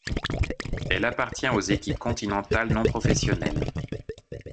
Elle appartient aux équipes continentales non professionnelles.